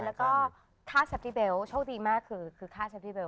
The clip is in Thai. แล้วก็ฆ่าเซปติเบลโชคดีมากคือฆ่าเซปติเบล